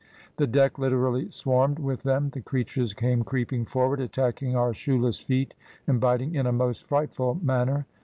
The deck literally swarmed with them; the creatures came creeping forward, attacking our shoeless feet and biting in a most frightful manner.